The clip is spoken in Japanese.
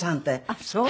あっそう。